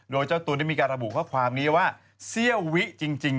โดยเจ้าตัวได้มีการระบุข้อความนี้ว่าเสี้ยววิจริง